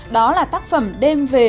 đó là tác phẩm đêm về